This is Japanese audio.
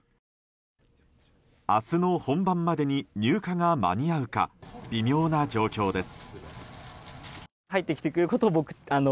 明日の本番までに入荷が間に合うか微妙な状況です。